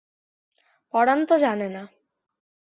পরাণ তা জানে না।